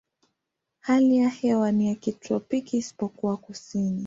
Hali ya hewa ni ya kitropiki isipokuwa kusini.